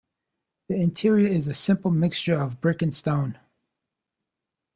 The interior is a simple mixture of brick and stone.